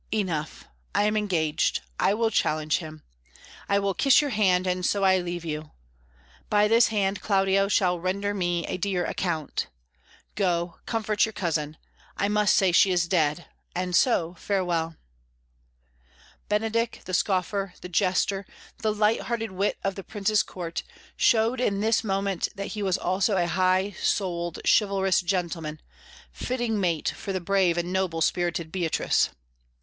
"Enough; I am engaged. I will challenge him. I will kiss your hand, and so I leave you. By this hand, Claudio shall render me a dear account. Go, comfort your cousin. I must say she is dead. And so, farewell." Benedick, the scoffer, the jester, the light hearted wit of the Prince's Court, showed in this moment that he was also a high souled chivalrous gentleman, fitting mate for the brave and noble spirited Beatrice.